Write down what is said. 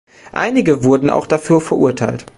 Einige wurden auch dafür verurteilt.